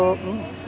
oke coba teman teman